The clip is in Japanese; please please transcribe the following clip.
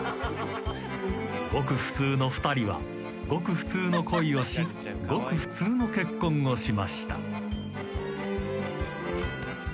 ［ごく普通の２人はごく普通の恋をしごく普通の結婚をしました］